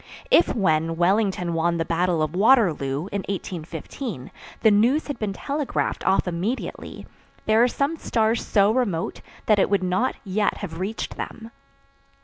If, when Wellington won the battle of Waterloo, in 1815, the news had been telegraphed off immediately, there are some stars so remote that it would not yet have reached them.